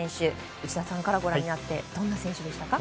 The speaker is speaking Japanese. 内田さんからご覧になってどんな選手でしたか。